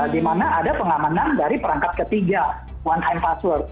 di mana ada pengamanan dari perangkat ketiga one time password